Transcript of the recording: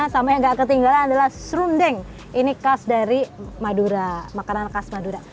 sama yang gak ketinggalan adalah serundeng ini khas dari madura makanan khas madura